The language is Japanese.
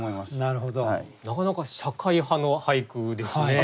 なかなか社会派の俳句ですね。